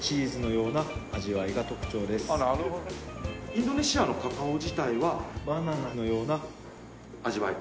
インドネシアのカカオ自体はバナナのような味わい。